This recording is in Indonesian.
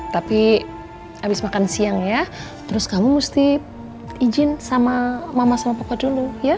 tapi habis makan siang ya terus kamu mesti izin sama mama sama pokok dulu